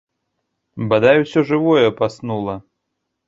Бадай усё жывое паснула.